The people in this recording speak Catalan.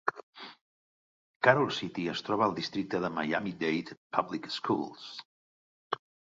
Carol City es troba al districte de Miami-Dade Public Schools.